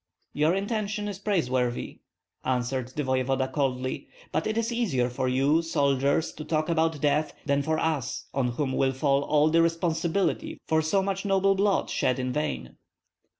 "Your intention is praiseworthy," answered the voevoda, coldly; "but it is easier for you soldiers to talk about death than for us, on whom will fall all the responsibility for so much noble blood shed in vain."